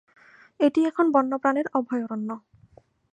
এটি এখন বন্যপ্রাণীর অভয়রন্য।